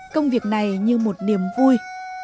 công việc này như một niềm vui